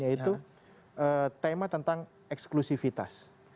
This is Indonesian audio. yaitu tema tentang eksklusifitas